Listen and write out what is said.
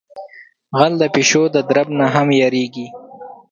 غل د پیشو درب نہ ھم یریگی.